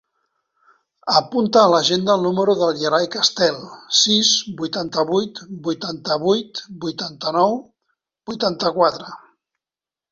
Apunta a l'agenda el número del Yeray Castel: sis, vuitanta-vuit, vuitanta-vuit, vuitanta-nou, vuitanta-quatre.